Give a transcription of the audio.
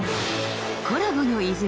「コラボの泉」